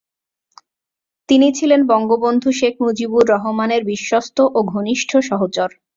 তিনি ছিলেন বঙ্গবন্ধু শেখ মুজিবুর রহমানের বিশ্বস্ত ও ঘনিষ্ঠ সহচর।